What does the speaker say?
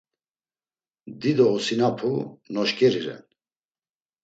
Dido osinapu noşkeri ren!